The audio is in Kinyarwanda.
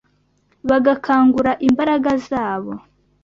bagakangura imbaraga zabo